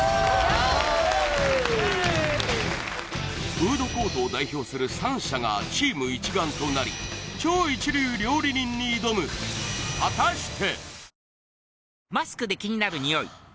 フードコートを代表する３社がチーム一丸となり超一流料理人に挑む果たして？